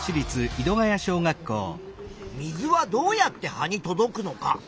水はどうやって葉に届くのか。